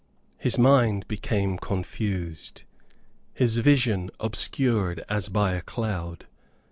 His mind became confused, his vision obscured as by a cloud.